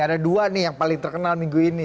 ada dua nih yang paling terkenal minggu ini